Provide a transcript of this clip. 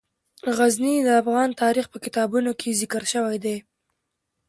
غزني د افغان تاریخ په کتابونو کې ذکر شوی دي.